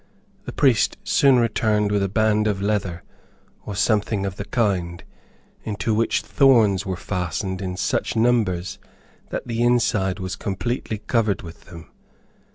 The priest soon returned with a band of leather, or something of the kind, into which thorns were fastened in such numbers that the inside was completely covered with them.